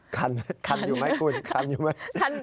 คันอยู่ไหมคุณ